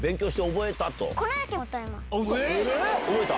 覚えた？